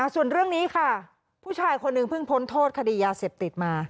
ส่วนเรื่องนี้ค่ะผู้ชายคนหนึ่งเพิ่งพ้นโทษคดียาเสพติดมา